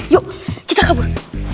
yuk kita kabur